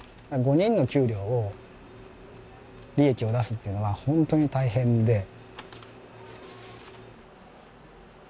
５人の給料を利益を出すというのはホントに大変で。